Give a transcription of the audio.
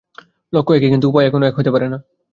লক্ষ্য একই, কিন্তু উপায় কখনও এক হইতে পারে না।